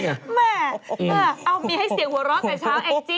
มีให้เสียงหัวร้อนแต่เช้า